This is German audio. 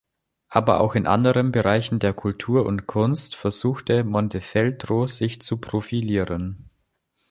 Aber auch in anderen Bereichen der Kultur und Kunst versuchte Montefeltro sich zu profilieren.